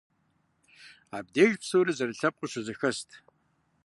Абдеж псори зэрылъэпкъыу щызэхэст.